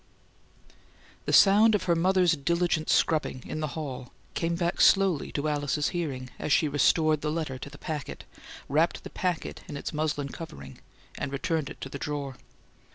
The sound of her mother's diligent scrubbing in the hall came back slowly to Alice's hearing, as she restored the letter to the packet, wrapped the packet in its muslin covering, and returned it to the drawer.